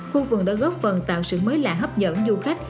khu vườn đã góp phần tạo sự mới lạ hấp dẫn du khách